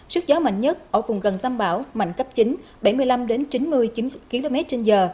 sức gió mạnh nhất ở vùng gần tâm bão mạnh cấp chín bảy mươi năm chín mươi chín mươi km trên giờ